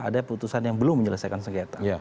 ada putusan yang belum menyelesaikan sengketa